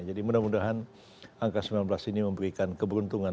jadi mudah mudahan angka sembilan belas ini memberikan keberuntungan